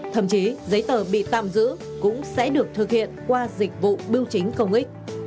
thậm chí giấy tờ bị tạm giữ cũng sẽ được thực hiện qua dịch vụ biêu chính công ích